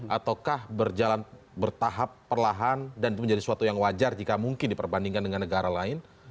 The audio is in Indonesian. ataukah berjalan bertahap perlahan dan menjadi suatu yang wajar jika mungkin diperbandingkan dengan negara lain